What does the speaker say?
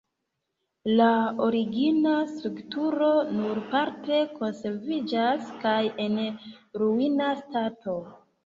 La origina strukturo nur parte konserviĝas kaj en ruina stato.